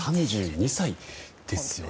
３２歳ですよ。